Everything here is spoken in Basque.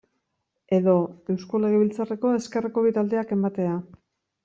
Edo Eusko Legebiltzarreko ezkerreko bi taldeek ematea.